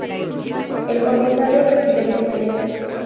El Comisario Residente General.